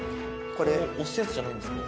押すやつじゃないんですか？